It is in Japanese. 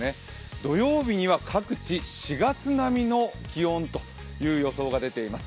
土曜日には各地、４月並みの気温という予想が出ています。